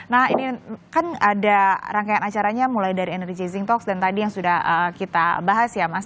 nah ini kan ada rangkaian acaranya mulai dari energy zing talks dan tadi yang sudah kita bahas ya mas